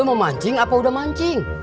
lu mau mancing apa udah mancing